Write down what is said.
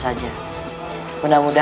selalu berdoa saja